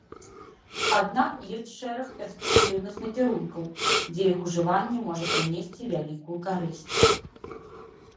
Аднак ёсць шэраг перспектыўных накірункаў, дзе іх ужыванне можа прынесці вялікую карысць.